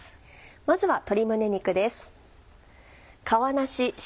まずは鶏胸肉です。